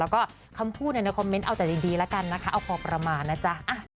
แล้วก็คำพูดในคอมเมนต์เอาแต่ดีแล้วกันนะคะเอาพอประมาณนะจ๊ะ